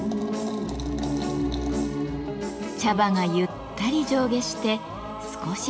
茶葉がゆったり上下して少しずつ開いていきます。